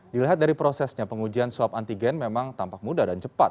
dilihat dari prosesnya pengujian swab antigen memang tampak mudah dan cepat